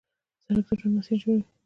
سړک د ژوند مسیر جوړوي.